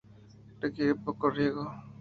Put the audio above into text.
Requiere poco riego.